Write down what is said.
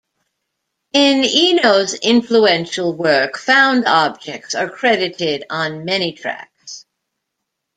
In Eno's influential work, found objects are credited on many tracks.